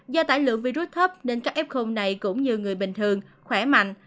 do tải lượng virus thấp nên các f này cũng như người bình thường khỏe mạnh